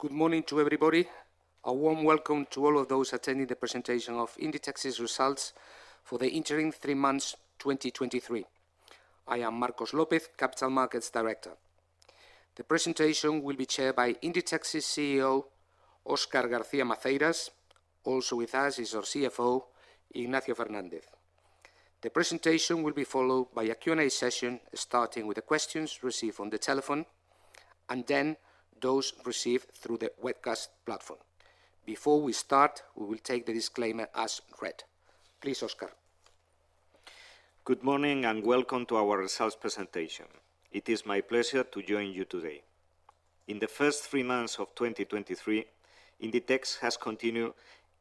Good morning to everybody. A warm welcome to all of those attending the presentation of Inditex's results for the interim three months, 2023. I am Marcos López, Capital Markets Director. The presentation will be chaired by Inditex's CEO, Óscar García Maceiras. Also with us is our CFO, Ignacio Fernández. The presentation will be followed by a Q&A session, starting with the questions received on the telephone, and then those received through the webcast platform. Before we start, we will take the disclaimer as read. Please, Óscar. Good morning, welcome to our results presentation. It is my pleasure to join you today. In the first three months of 2023, Inditex has continued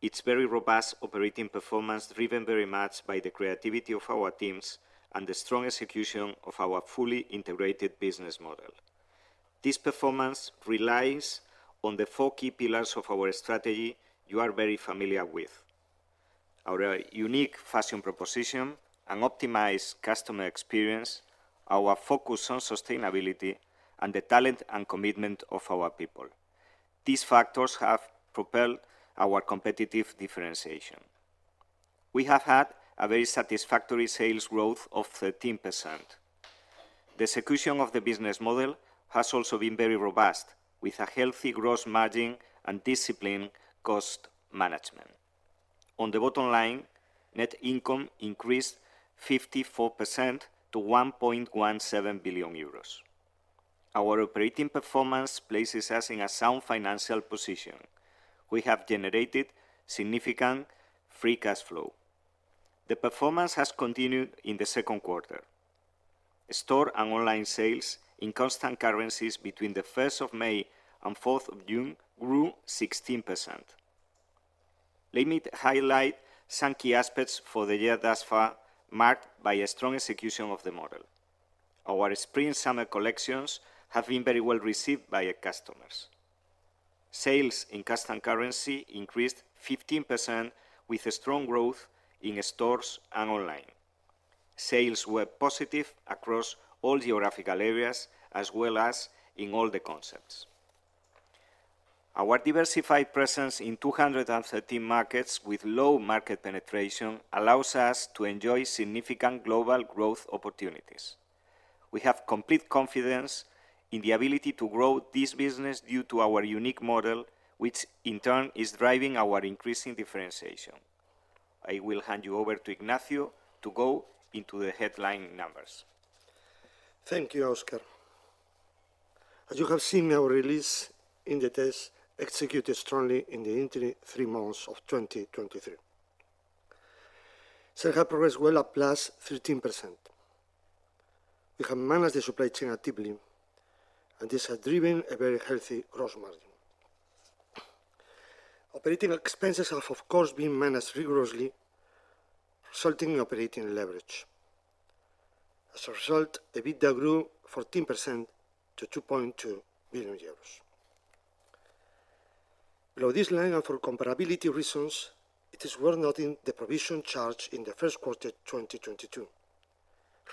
its very robust operating performance, driven very much by the creativity of our teams and the strong execution of our fully integrated business model. This performance relies on the four key pillars of our strategy you are very familiar with: our unique fashion proposition and optimized customer experience, our focus on sustainability, and the talent and commitment of our people. These factors have propelled our competitive differentiation. We have had a very satisfactory sales growth of 13%. The execution of the business model has also been very robust, with a healthy gross margin and disciplined cost management. On the bottom line, net income increased 54% to 1.17 billion euros. Our operating performance places us in a sound financial position. We have generated significant free cash flow. The performance has continued in the second quarter. Store and online sales in constant currencies between the 1st of May and 4th of June grew 16%. Let me highlight some key aspects for the year thus far, marked by a strong execution of the model. Our spring/summer collections have been very well received by our customers. Sales in constant currency increased 15%, with a strong growth in stores and online. Sales were positive across all geographical areas, as well as in all the concepts. Our diversified presence in 213 markets with low market penetration allows us to enjoy significant global growth opportunities. We have complete confidence in the ability to grow this business due to our unique model, which, in turn, is driving our increasing differentiation. I will hand you over to Ignacio to go into the headline numbers. Thank you, Óscar. As you have seen in our release, Inditex executed strongly in the interim three months of 2023. Sales have progressed well, up +13%. We have managed the supply chain actively, and this has driven a very healthy gross margin. Operating expenses have, of course, been managed rigorously, resulting in operating leverage. As a result, the EBITDA grew 14% to 2.2 billion euros. Below this line, and for comparability reasons, it is worth noting the provision charge in the first quarter, 2022,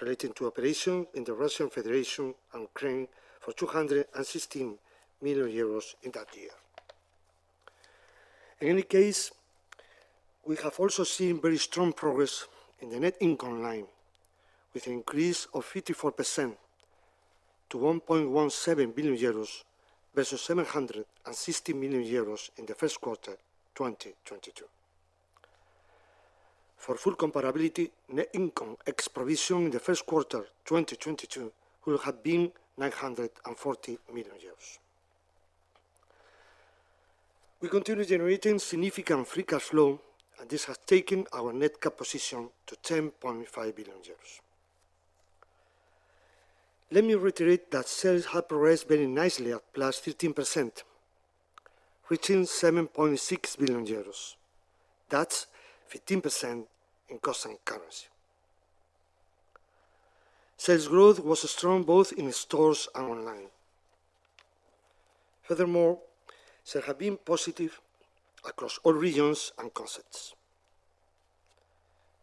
relating to operation in the Russian Federation and Ukraine for 216 million euros in that year. We have also seen very strong progress in the net income line, with an increase of 54% to 1.17 billion euros, versus 760 million euros in the first quarter, 2022. For full comparability, net income, ex provision, in the first quarter, 2022, would have been EUR 940 million. We continue generating significant free cash flow, and this has taken our net cash position to 10.5 billion euros. Let me reiterate that sales have progressed very nicely at +15%, reaching EUR 7.6 billion. That's 15% in constant currency. Sales growth was strong both in stores and online. Sales have been positive across all regions and concepts.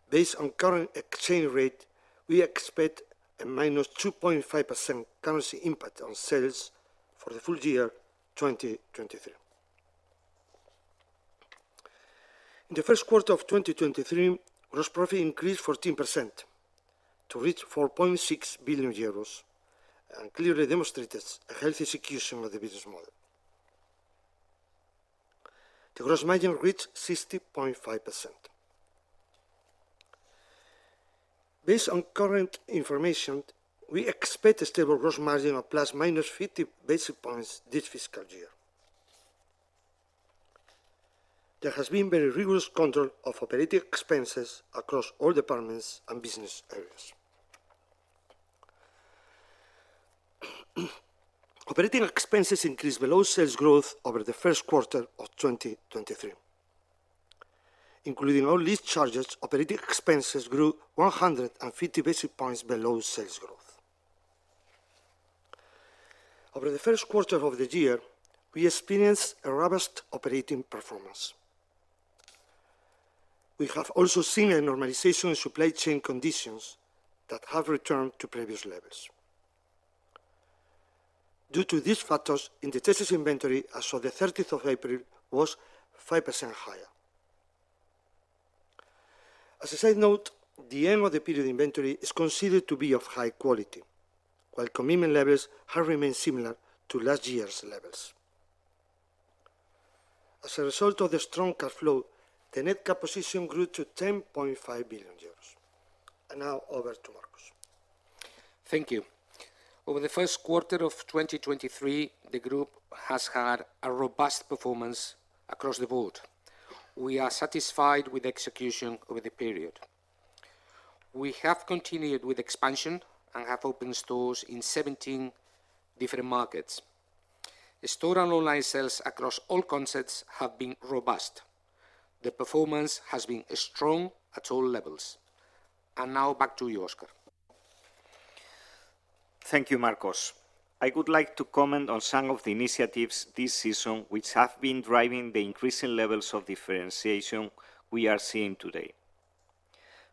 Based on current exchange rate, we expect a -2.5% currency impact on sales for the full year 2023. In the first quarter of 2023, gross profit increased 14% to reach 4.6 billion euros, and clearly demonstrated a healthy execution of the business model. The gross margin reached 60.5%. Based on current information, we expect a stable gross margin of ±50 basis points this fiscal year. There has been very rigorous control of operating expenses across all departments and business areas. Operating expenses increased below sales growth over the first quarter of 2023. Including all lease charges, operating expenses grew 150 basis points below sales growth. Over the first quarter of the year, we experienced a robust operating performance. We have also seen a normalization in supply chain conditions that have returned to previous levels. Due to these factors, Inditex's inventory, as of the 13th of April, was 5% higher. As a side note, the end of the period inventory is considered to be of high quality, while commitment levels have remained similar to last year's levels. As a result of the strong cash flow, the net cash position grew to 10.5 billion euros. Now over to Marcos. Thank you. Over the first quarter of 2023, the group has had a robust performance across the board. We are satisfied with the execution over the period. We have continued with expansion, and have opened stores in 17 different markets. The store and online sales across all concepts have been robust. The performance has been strong at all levels. Now back to you, Óscar. Thank you, Marcos. I would like to comment on some of the initiatives this season, which have been driving the increasing levels of differentiation we are seeing today.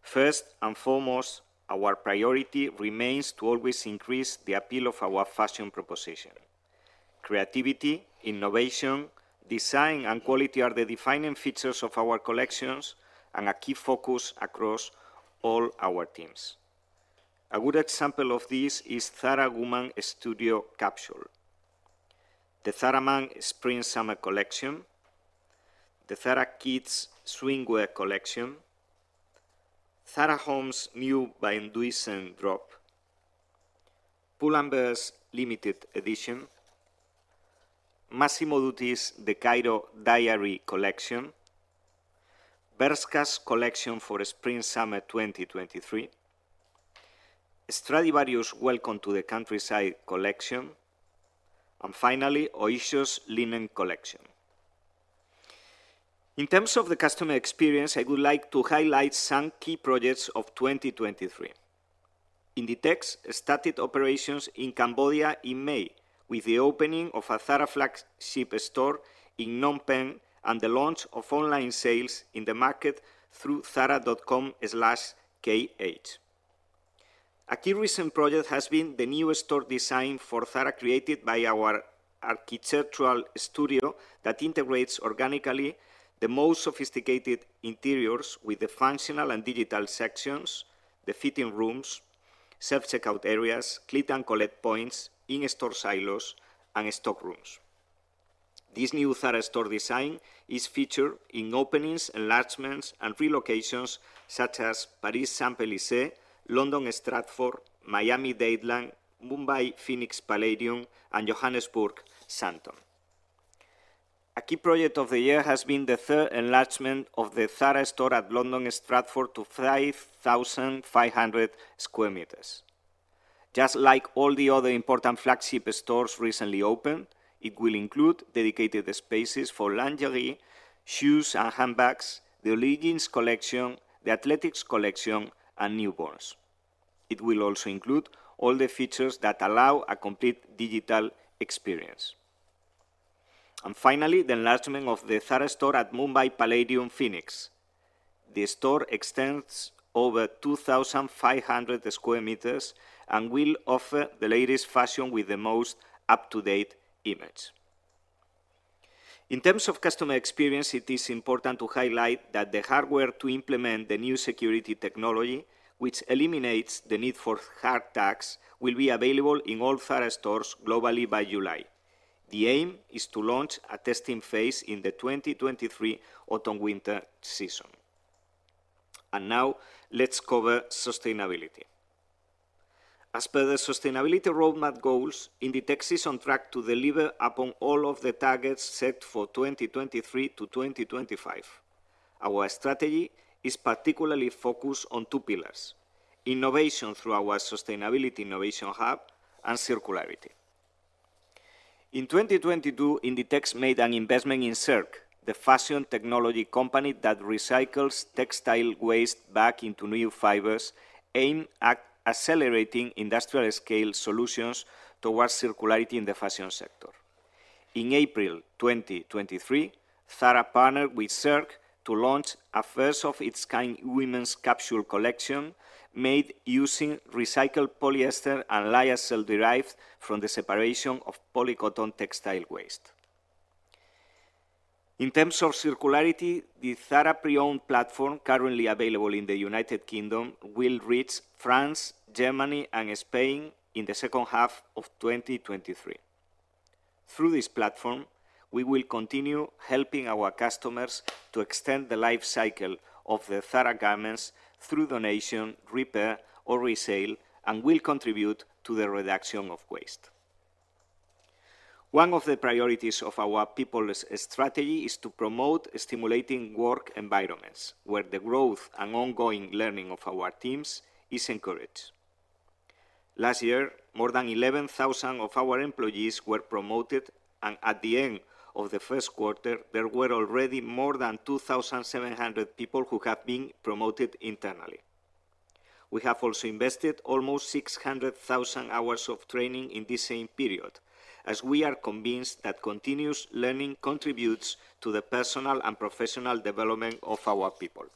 First and foremost, our priority remains to always increase the appeal of our fashion proposition. Creativity, innovation, design, and quality are the defining features of our collections and a key focus across all our teams. A good example of this is Zara Woman Studio capsule, the Zara Man Spring-Summer collection, the Zara Kids swimwear collection, Zara Home's new Van Duysen drop, Pull&Bear's Limited Edition, Massimo Dutti's THE CAIRO DIARY collection, Bershka's collection for Spring-Summer 2023, Stradivarius' Welcome to the Countryside collection, and finally, Oysho's Linen collection. In terms of the customer experience, I would like to highlight some key projects of 2023. Inditex started operations in Cambodia in May, with the opening of a Zara flagship store in Phnom Penh, and the launch of online sales in the market through zara.com/kh. A key recent project has been the new store design for Zara, created by our architectural studio, that integrates organically the most sophisticated interiors with the functional and digital sections, the fitting rooms, self-checkout areas, click and collect points, in-store silos, and stock rooms. This new Zara store design is featured in openings, enlargements, and relocations, such as Paris-Saint-Sulpice, London Stratford, Miami Dadeland, Mumbai Phoenix Palladium, and Johannesburg Sandton. A key project of the year has been the third enlargement of the Zara store at London Stratford to 5,500 sqm. Just like all the other important flagship stores recently opened, it will include dedicated spaces for lingerie, shoes, and handbags, the leggings collection, the athletics collection, and newborns. It will also include all the features that allow a complete digital experience. Finally, the enlargement of the Zara store at Mumbai Palladium Phoenix. The store extends over 2,500 sqm, and will offer the latest fashion with the most up-to-date image. In terms of customer experience, it is important to highlight that the hardware to implement the new security technology, which eliminates the need for hard tags, will be available in all Zara stores globally by July. The aim is to launch a testing phase in the 2023 autumn-winter season. Now let's cover sustainability. As per the sustainability roadmap goals, Inditex is on track to deliver upon all of the targets set for 2023 to 2025. Our strategy is particularly focused on two pillars: innovation through our sustainability innovation hub, and circularity. In 2022, Inditex made an investment in Circ, the fashion technology company that recycles textile waste back into new fibers, aimed at accelerating industrial-scale solutions towards circularity in the fashion sector. In April 2023, Zara partnered with Circ to launch a first-of-its-kind women's capsule collection made using recycled polyester and lyocell derived from the separation of polycotton textile waste. In terms of circularity, the Zara Pre-Owned platform, currently available in the United Kingdom, will reach France, Germany, and Spain in the second half of 2023. Through this platform, we will continue helping our customers to extend the life cycle of the Zara garments through donation, repair, or resale, and will contribute to the reduction of waste. One of the priorities of our people strategy is to promote stimulating work environments, where the growth and ongoing learning of our teams is encouraged. Last year, more than 11,000 of our employees were promoted, and at the end of the first quarter, there were already more than 2,700 people who have been promoted internally. We have also invested almost 600,000 hours of training in the same period, as we are convinced that continuous learning contributes to the personal and professional development of our people.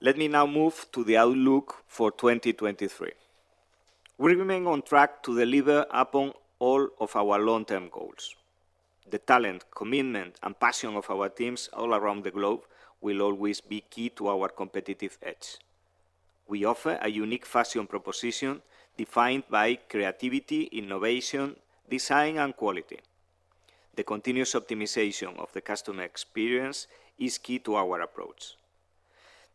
Let me now move to the outlook for 2023. We remain on track to deliver upon all of our long-term goals. The talent, commitment, and passion of our teams all around the globe will always be key to our competitive edge. We offer a unique fashion proposition defined by creativity, innovation, design, and quality. The continuous optimization of the customer experience is key to our approach.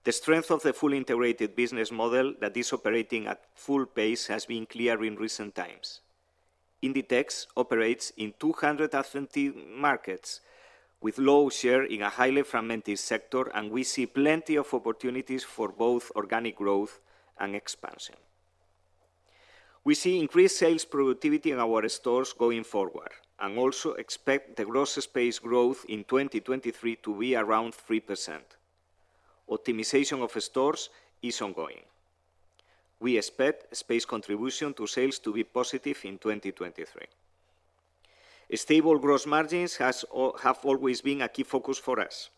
The strength of the fully integrated business model that is operating at full pace has been clear in recent times. Inditex operates in 200 authentic markets with low share in a highly fragmented sector. We see plenty of opportunities for both organic growth and expansion. We see increased sales productivity in our stores going forward. Also expect the gross space growth in 2023 to be around 3%. Optimization of stores is ongoing. We expect space contribution to sales to be positive in 2023. Stable gross margins have always been a key focus for us.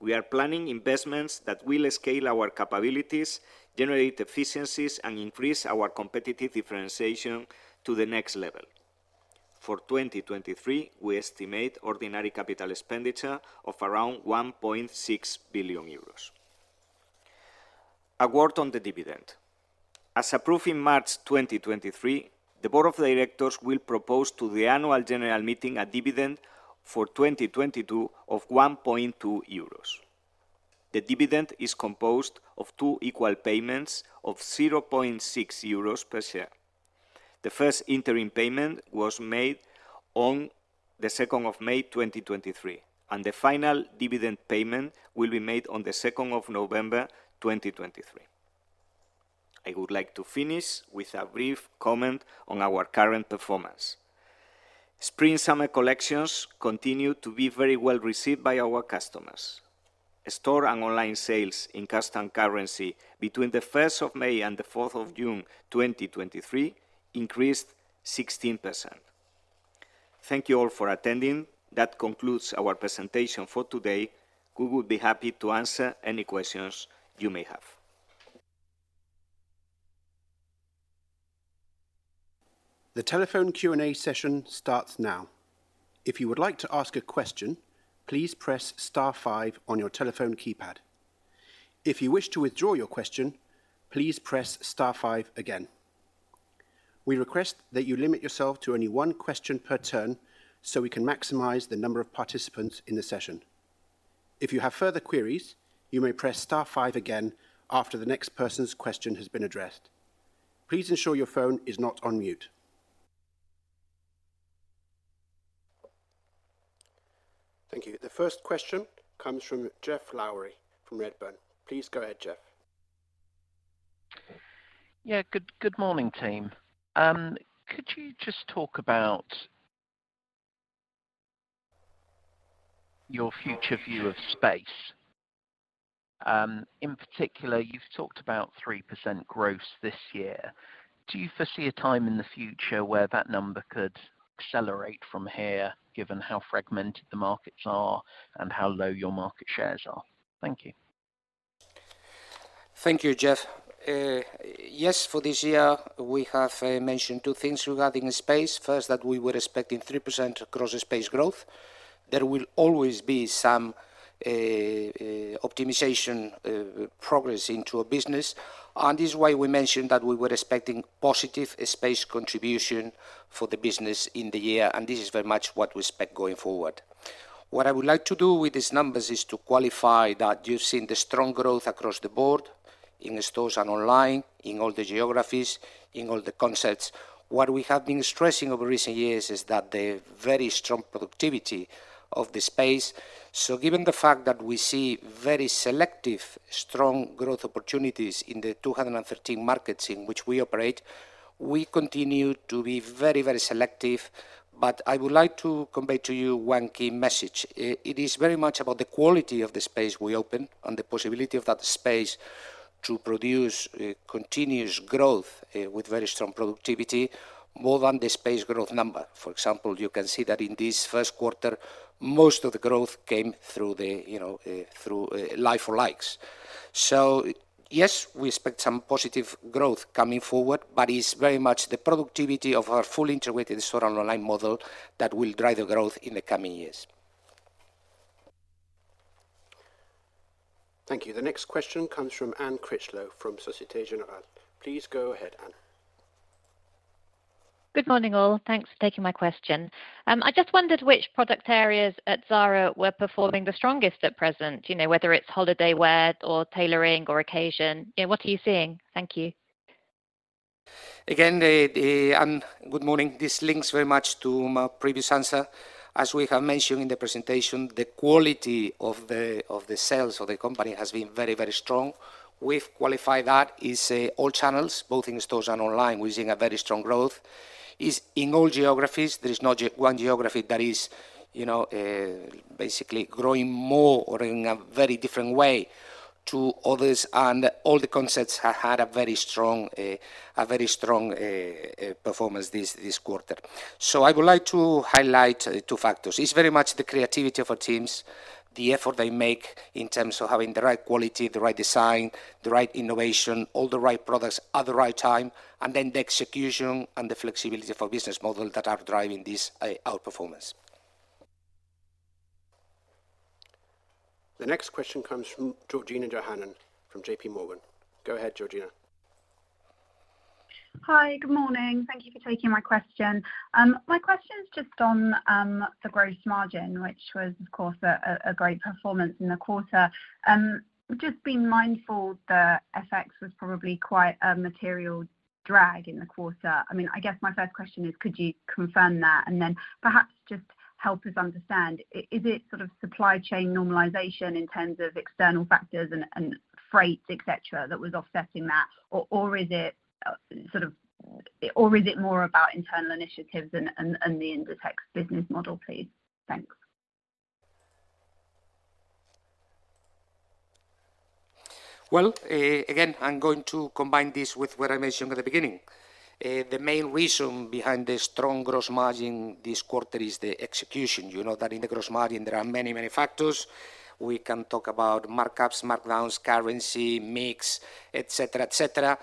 We are planning investments that will scale our capabilities, generate efficiencies, and increase our competitive differentiation to the next level. For 2023, we estimate ordinary capital expenditure of around 1.6 billion euros. A word on the dividend. As approved in March 2023, the board of directors will propose to the Annual General Meeting a dividend for 2022 of 1.2 euros. The dividend is composed of two equal payments of 0.6 euros per share. The first interim payment was made on the 2nd of May 2023, and the final dividend payment will be made on the 2nd of November 2023. I would like to finish with a brief comment on our current performance. Spring-summer collections continue to be very well received by our customers. Store and online sales in constant currency between the 1st of May and the 4th of June, 2023, increased 16%. Thank you all for attending. That concludes our presentation for today. We would be happy to answer any questions you may have. The telephone Q&A session starts now. If you would like to ask a question, please press star five on your telephone keypad. If you wish to withdraw your question, please press star five again. We request that you limit yourself to only one question per turn, so we can maximize the number of participants in the session. If you have further queries, you may press star five again after the next person's question has been addressed. Please ensure your phone is not on mute. Thank you. The first question comes from Geoff Lowery from Redburn. Please go ahead, Geoff. Good morning, team. Could you just talk about your future view of space? In particular, you've talked about 3% growth this year. Do you foresee a time in the future where that number could accelerate from here, given how fragmented the markets are and how low your market shares are? Thank you. Thank you, Geoff. Yes, for this year, we have mentioned two things regarding space. First, that we were expecting 3% gross space growth. There will always be some optimization progress into a business, this is why we mentioned that we were expecting positive space contribution for the business in the year, this is very much what we expect going forward. What I would like to do with these numbers is to qualify that you've seen the strong growth across the board, in stores and online, in all the geographies, in all the concepts. What we have been stressing over recent years is that the very strong productivity of the space. Given the fact that we see very selective, strong growth opportunities in the 213 markets in which we operate, we continue to be very, very selective. I would like to convey to you one key message. It is very much about the quality of the space we open and the possibility of that space to produce continuous growth with very strong productivity, more than the space growth number. For example, you can see that in this first quarter, most of the growth came through the, you know, through like-for-likes. Yes, we expect some positive growth coming forward, but it's very much the productivity of our full integrated store and online model that will drive the growth in the coming years. Thank you. The next question comes from Anne Critchlow from Société Générale. Please go ahead, Anne. Good morning, all. Thanks for taking my question. I just wondered which product areas at Zara were performing the strongest at present, you know, whether it's holiday wear or tailoring or occasion. What are you seeing? Thank you. Again, the, and good morning. This links very much to my previous answer. As we have mentioned in the presentation, the quality of the sales of the company has been very, very strong. We've qualified that. It's all channels, both in stores and online, we're seeing a very strong growth. It's in all geographies. There is no one geography that is, you know, basically growing more or in a very different way to others, and all the concepts have had a very strong performance this quarter. I would like to highlight, two factors. It's very much the creativity of our teams, the effort they make in terms of having the right quality, the right design, the right innovation, all the right products at the right time, and then the execution and the flexibility of our business model that are driving this outperformance. The next question comes from Georgina Johanan from J.P. Morgan. Go ahead, Georgina. Hi, good morning. Thank you for taking my question. My question is just on the gross margin, which was, of course, a great performance in the quarter. Just being mindful, the FX was probably quite a material drag in the quarter. I mean, I guess my first question is, could you confirm that? Then perhaps just help us understand, is it sort of supply chain normalization in terms of external factors and freights, et cetera, that was offsetting that? Is it more about internal initiatives and the Inditex business model, please? Thanks. Again, I'm going to combine this with what I mentioned at the beginning. The main reason behind the strong gross margin this quarter is the execution. You know that in the gross margin, there are many, many factors. We can talk about markups, markdowns, currency, mix, et cetera, et cetera.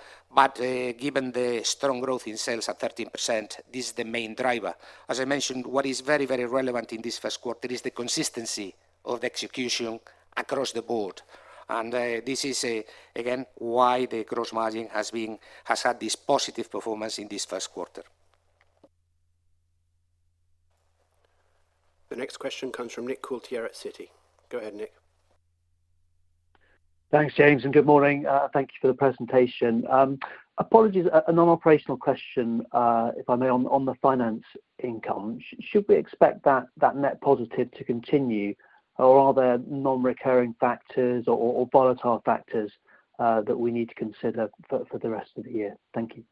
Given the strong growth in sales at 13%, this is the main driver. As I mentioned, what is very, very relevant in this first quarter is the consistency of execution across the board. This is, again, why the gross margin has had this positive performance in this first quarter. The next question comes from Nick Coulter here at Citi. Go ahead, Nick. Thanks, James, and good morning. Thank you for the presentation. Apologies, a non-operational question, if I may, on the finance income. Should we expect that net positive to continue, or are there non-recurring factors or volatile factors that we need to consider for the rest of the year? Thank you.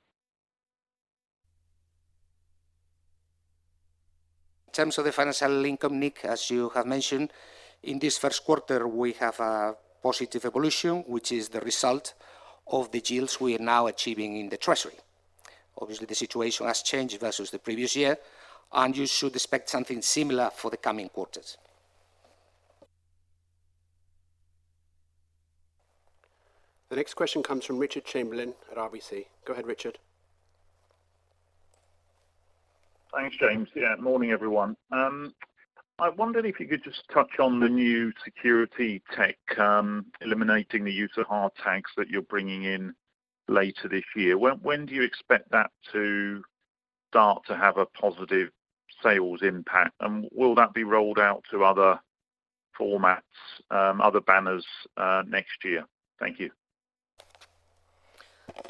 In terms of the financial income, Nick, as you have mentioned, in this first quarter, we have a positive evolution, which is the result of the deals we are now achieving in the treasury. Obviously, the situation has changed versus the previous year. You should expect something similar for the coming quarters. The next question comes from Richard Chamberlain at RBC. Go ahead, Richard. Thanks, James. Morning, everyone. I wondered if you could just touch on the new security tech, eliminating the use of hard tags that you're bringing in later this year. When do you expect that to start to have a positive sales impact? Will that be rolled out to other formats, other banners, next year? Thank you.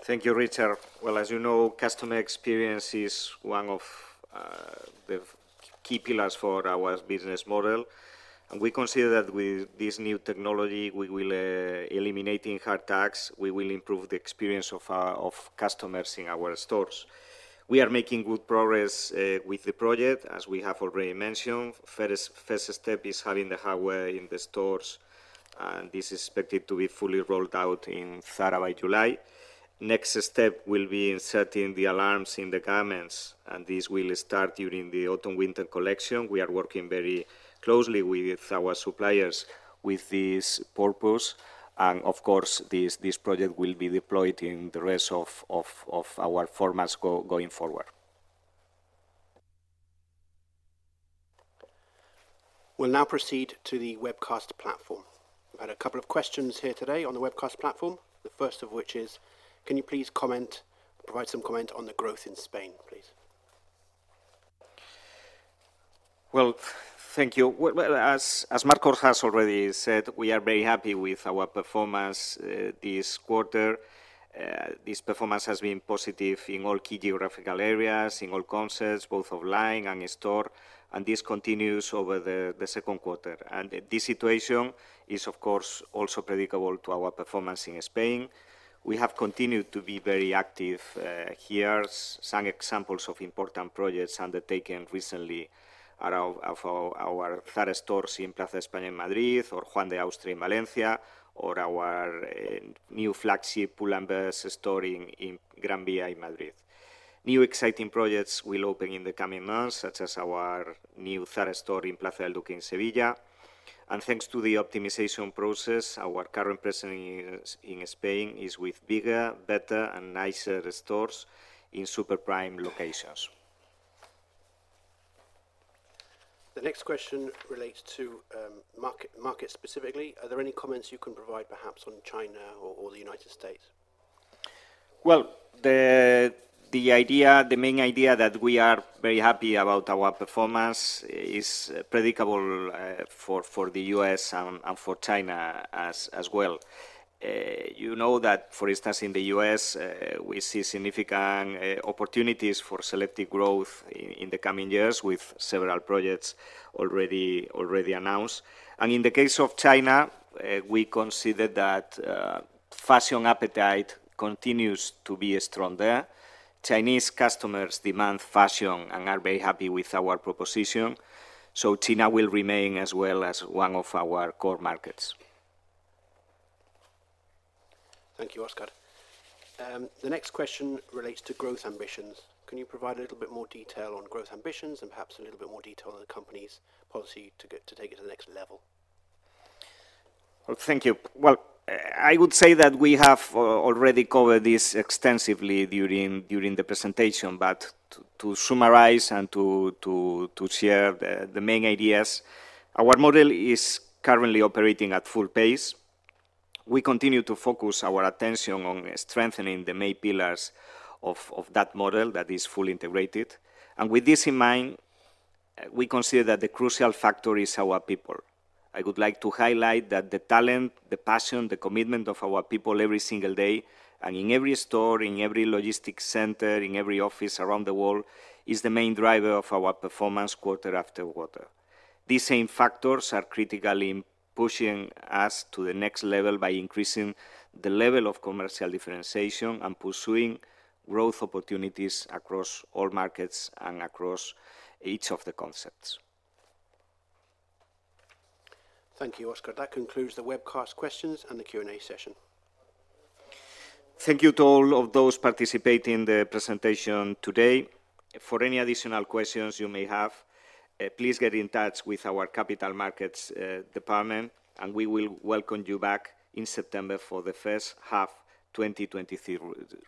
Thank you, Richard. Well, as you know, customer experience is one of the key pillars for our business model. We consider that with this new technology, we will eliminating hard tags, we will improve the experience of customers in our stores. We are making good progress with the project, as we have already mentioned. First step is having the hardware in the stores. This is expected to be fully rolled out in Zara by July. Next step will be inserting the alarms in the garments. This will start during the autumn-winter collection. We are working very closely with our suppliers with this purpose. Of course, this project will be deployed in the rest of our formats going forward. We'll now proceed to the webcast platform. I've had a couple of questions here today on the webcast platform. The first of which is: Can you please provide some comment on the growth in Spain, please? Well, thank you. Well, as Marcos has already said, we are very happy with our performance this quarter. This performance has been positive in all key geographical areas, in all concepts, both online and in-store, and this continues over the second quarter. This situation is, of course, also predictable to our performance in Spain. We have continued to be very active here. Some examples of important projects undertaken recently are of our Zara stores in Plaza España, Madrid, or Juan de Austria in Valencia, or our new flagship Pull&Bear store in Gran Via in Madrid. New exciting projects will open in the coming months, such as our new Zara store in Plaza El Duque in Sevilla. Thanks to the optimization process, our current presence in Spain is with bigger, better, and nicer stores in super prime locations. The next question relates to market specifically. Are there any comments you can provide, perhaps on China or the United States? Well, the idea, the main idea that we are very happy about our performance is predictable for the U.S. and for China as well. You know that, for instance, in the U.S., we see significant opportunities for selective growth in the coming years with several projects already announced. In the case of China, we consider that fashion appetite continues to be strong there. Chinese customers demand fashion and are very happy with our proposition, China will remain as well as one of our core markets. Thank you, Óscar. The next question relates to growth ambitions. Can you provide a little bit more detail on growth ambitions and perhaps a little bit more detail on the company's policy to take it to the next level? Well, thank you. Well, I would say that we have already covered this extensively during the presentation, but to summarize and to share the main ideas, our model is currently operating at full pace. We continue to focus our attention on strengthening the main pillars of that model that is fully integrated. With this in mind, we consider that the crucial factor is our people. I would like to highlight that the talent, the passion, the commitment of our people every single day and in every store, in every logistics center, in every office around the world, is the main driver of our performance quarter after quarter. These same factors are critically pushing us to the next level by increasing the level of commercial differentiation and pursuing growth opportunities across all markets and across each of the concepts. Thank you, Óscar. That concludes the webcast questions and the Q&A session. Thank you to all of those participating in the presentation today. For any additional questions you may have, please get in touch with our capital markets department, and we will welcome you back in September for the first half 2023 results.